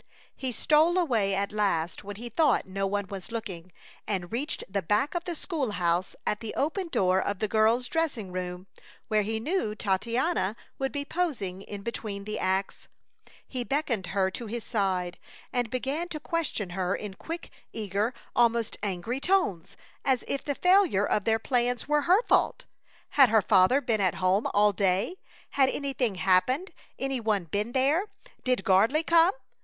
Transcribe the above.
He stole away at last when he thought no one was looking, and reached the back of the school house at the open door of the girls' dressing room, where he knew Titania would be posing in between the acts. He beckoned her to his side and began to question her in quick, eager, almost angry tones, as if the failure of their plans were her fault. Had her father been at home all day? Had anything happened any one been there? Did Gardley come?